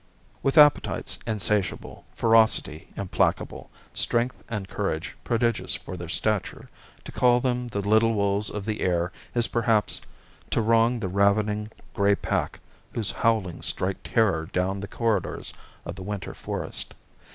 With appetites insatiable, ferocity implacable, strength and courage prodigious for their stature, to call them the little wolves of the air is perhaps to wrong the ravening gray pack whose howlings strike terror down the corridors of the winter forest.